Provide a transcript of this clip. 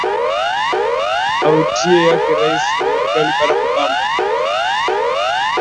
auti yake rais wa marekani barack obama